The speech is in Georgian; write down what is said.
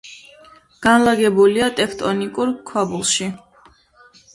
განლაგებულია ტექტონიკურ ქვაბულში.